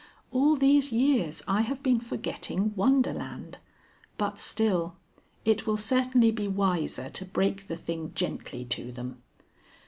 All these years I have been forgetting Wonderland. But still . It will certainly be wiser to break the thing gently to them."